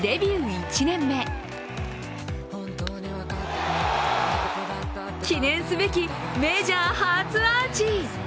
１年目記念すべきメジャー初アーチ。